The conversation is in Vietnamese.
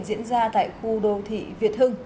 diễn ra tại khu đô thị việt hưng